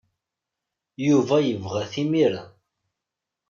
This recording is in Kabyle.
Yuba yebɣa-t imir-a.